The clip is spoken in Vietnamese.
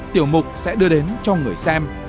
tiểu mục sẽ đưa đến cho người xem